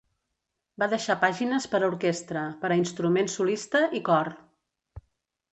Va deixar pàgines per a orquestra, per a instrument solista i cor.